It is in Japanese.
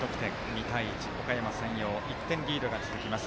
２対１、おかやま山陽１点リードが続きます。